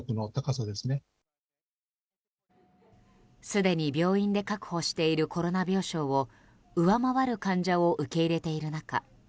すでに病院で確保しているコロナ病床を上回る患者を受け入れている中